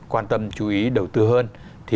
quan tâm chú ý đầu tư hơn